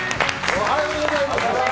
おはようございます。